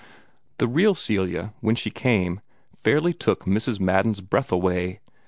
The real Celia, when she came, fairly took Mrs. Madden's breath away.